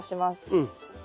うん。